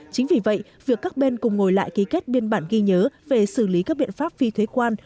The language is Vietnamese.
chính vì vậy việc các bên cùng ngồi lại ký kết biên bản ghi nhớ về xử lý các biện pháp phi thuế quan